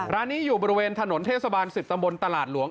ร้านนี้อยู่บริเวณถนนเทศบาล๑๐ตำบลตลาดหลวง